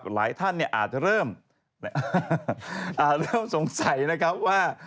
หลายท่านอาจจะเริ่มสงสัยว่า